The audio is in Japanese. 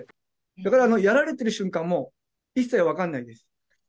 だからやられている瞬間も、一切分かんないです。